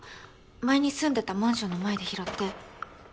前に住んでたマンションの前で拾って。